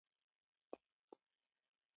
په خاوره کې انسان له ځان سره یوازې عمل وړي.